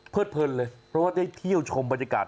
เพลินเลยเพราะว่าได้เที่ยวชมบรรยากาศ